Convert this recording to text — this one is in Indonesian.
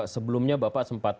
sebelumnya bapak sempat